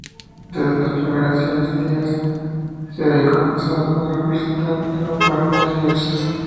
Desde las primeras dinastías se había comenzado a representar a faraones y dioses.